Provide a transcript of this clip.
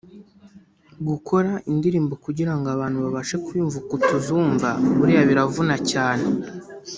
gukora indirimbo kugira ngo abantu babashe kuyumva uku tuzumva buriya biravuna cyane